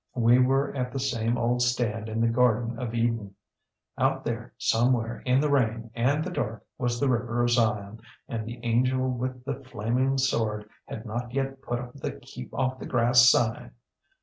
We were at the same old stand in the Garden of Eden. Out there somewhere in the rain and the dark was the river of Zion, and the angel with the flaming sword had not yet put up the keep off the grass sign.